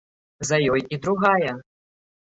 За ёй і другая.